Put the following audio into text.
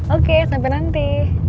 oke sampai nanti